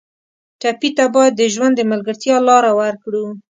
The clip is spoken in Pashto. ټپي ته باید د ژوند د ملګرتیا لاره ورکړو.